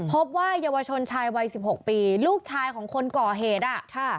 พบว่าเยาวชนชายวัย๑๖ปีลูกชายของคนก่อเหตุ